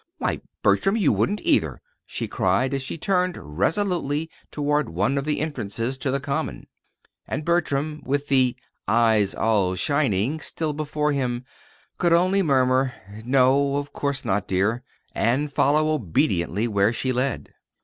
Why, Bertram, you wouldn't, either," she cried, as she turned resolutely toward one of the entrances to the Common. And Bertram, with the "eyes all shining" still before him, could only murmur: "No, of course not, dear!" and follow obediently where she led.